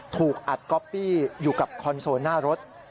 ถูกอัดก๊อปปี้อยู่กับคอนโซลหน้ารถ